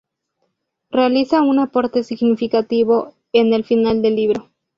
Realiza un aporte significativo en el final del libro.